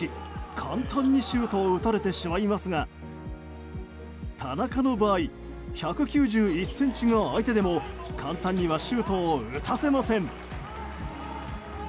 簡単にシュートを打たれてしまいますが田中の場合１９１ｃｍが相手でも簡単にはシュートを打たせません。